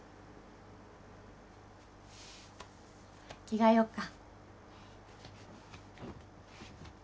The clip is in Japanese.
着替えよっか。